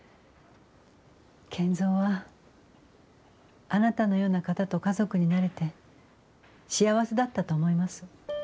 賢三はあなたのような方と家族になれて幸せだったと思います。